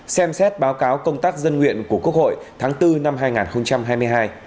xem xét báo cáo công tác dân nguyện của quốc hội tháng bốn năm hai nghìn hai mươi hai